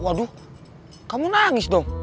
waduh kamu nangis dong